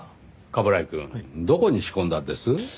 冠城くんどこに仕込んだんです？